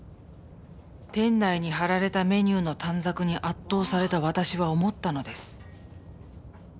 店内に貼られたメニューの短冊に圧倒された私は思ったのです。